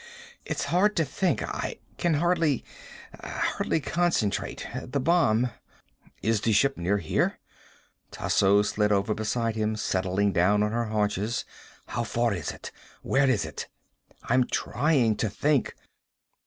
It's hard to think. I can hardly hardly concentrate. The bomb." "Is the ship near here?" Tasso slid over beside him, settling down on her haunches. "How far is it? Where is it?" "I'm trying to think."